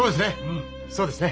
そうですね。